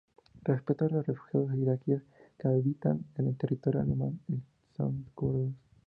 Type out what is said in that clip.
Respecto a los refugiados iraquíes que habitan en el territorio alemán, el son kurdos.